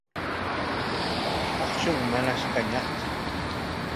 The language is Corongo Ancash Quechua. Akshun manash kañaqtsu.